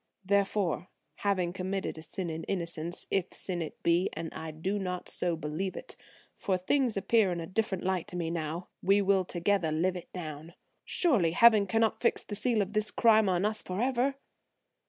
Therefore, having committed a sin in innocence–if sin it be, and I do not so believe it, for things appear in a different light to me now–we will together live it down. Surely heaven cannot fix the seal of this crime on us forever."